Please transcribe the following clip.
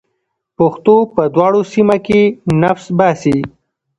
پښتو په دواړو سیمه کې نفس باسي.